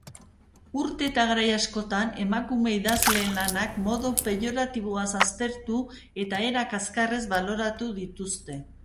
Urte eta garai askotan, emakume idazleen lanak modu peioratiboaz aztertu etaera kazkarrez baloratu dituzte.